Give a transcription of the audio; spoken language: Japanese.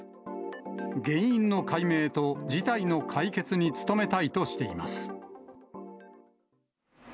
原因の解明と事態の解決に努めたいとしています。